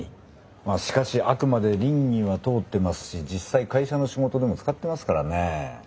まあしかしあくまで稟議は通ってますし実際会社の仕事でも使ってますからねえ。